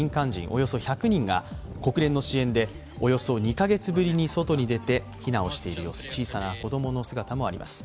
およそ１００人が国連の支援でおよそ２カ月ぶりに外に出て避難をしている様子、小さな子供の姿もあります。